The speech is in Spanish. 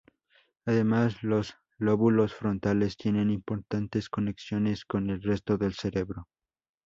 Además, los lóbulos frontales tienen importantes conexiones con el resto del cerebro.